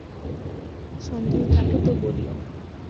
সন্দেহ থাকে তো বলিও।